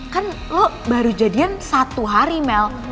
kan lo baru jadian satu hari mel